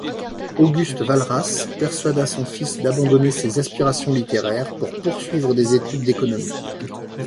Auguste Walras persuada son fils d'abandonner ses aspirations littéraires pour poursuivre des études d'économie.